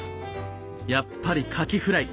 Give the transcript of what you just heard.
やっぱりカキフライ！